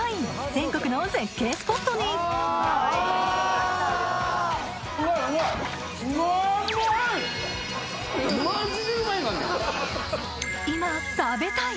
全国の絶景スポットに今食べたい！